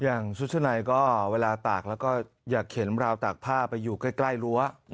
ชุดชะในก็เวลาตากแล้วก็อยากเข็นราวตากผ้าไปอยู่ใกล้รั้ว